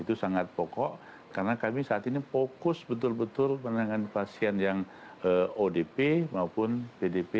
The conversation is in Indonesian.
itu sangat pokok karena kami saat ini fokus betul betul menangani pasien yang odp maupun pdp